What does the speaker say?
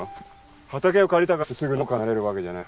畑を借りたからってすぐ農家になれるわけじゃない。